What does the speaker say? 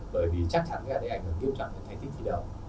bởi vì chắc chắn cái hình ảnh nó kêu chẳng phải thành tích gì đâu